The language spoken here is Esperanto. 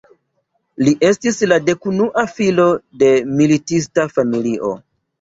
Li estis la dekunua filo de militista familio.